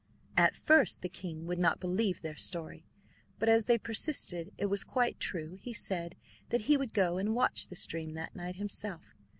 At first the king would not believe their story, but as they persisted it was quite true, he said that he would go and watch the stream that night himself.